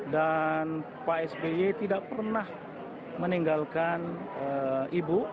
dan pak sby tidak pernah meninggalkan ibu